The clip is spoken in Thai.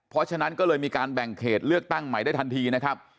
เพราะฉะนั้นก็เลยมีการแบ่งเขตเลือกตั้งใหม่ได้ทันทีนะครับ